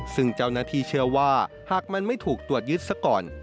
ซึ่งเจ้าหน้าที่เชื่อว่าหากมันไม่ถูกตรวจยึดซะก่อน